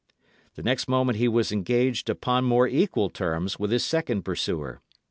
The next moment he was engaged, upon more equal terms, with his second pursuer.